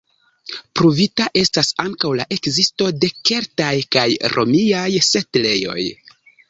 Pruvita estas ankaŭ la ekzisto de keltaj kaj romiaj setlejoj.